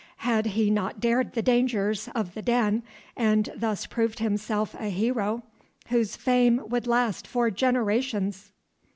Had he not dared the dangers of the den, and thus proved himself a hero whose fame would last for generations?